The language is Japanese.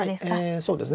そうですね